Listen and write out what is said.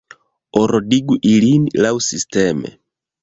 Ordigu ilin laŭsisteme.